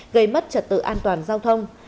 gây mất trật tự an toàn giao thông